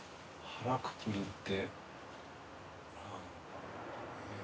腹くくるって。